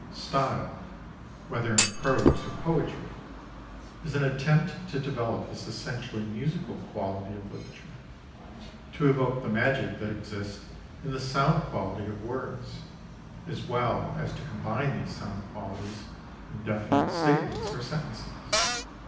Style, whether in prose or poetry, is an attempt to develop this essentially musical quality of literature, to evoke the magic that exists in the sound quality of words, as well as to combine these sound qualities in definite statements or sentences.